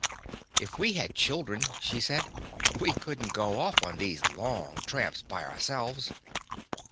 "If we had children," she said, "we could n't go off on these long tramps by ourselves."